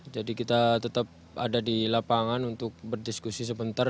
jadi kita tetap ada di lapangan untuk berdiskusi sebentar